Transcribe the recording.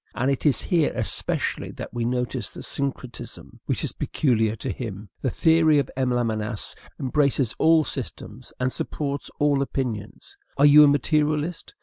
And it is here especially that we notice the syncretism which is peculiar to him. The theory of M. Lamennais embraces all systems, and supports all opinions. Are you a materialist?